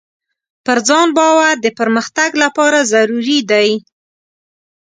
پر ځان باور د پرمختګ لپاره ضروري دی.